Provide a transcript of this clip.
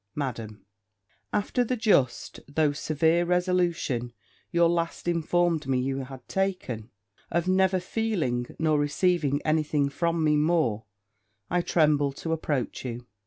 Madam, After the just though severe resolution your last informed me you had taken of never seeing nor receiving any thing from me more, I tremble to approach you.